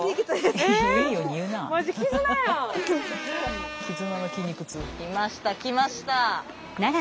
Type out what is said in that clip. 来ました来ました。